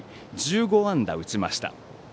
１５安打打ちました。